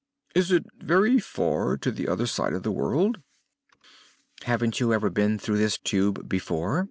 Is it very far to the other side of the world?" "Haven't you ever been through this Tube before?"